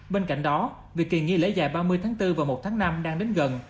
bên cạnh đó việc kỳ nghỉ lễ dài ba mươi tháng bốn và một tháng năm đang đến gần